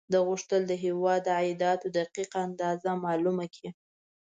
ده غوښتل د هېواد د عایداتو دقیق اندازه معلومه کړي.